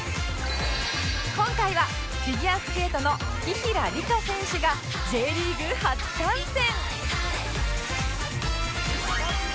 今回はフィギュアスケートの紀平梨花選手が Ｊ リーグ初観戦